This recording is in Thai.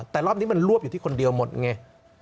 แต่รอบนี้มันรวบอยู่ที่คนเดียวหมดไง